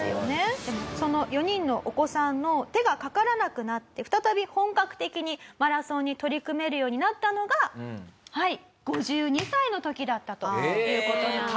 その４人のお子さんの手がかからなくなって再び本格的にマラソンに取り組めるようになったのが５２歳の時だったという事なんですよね。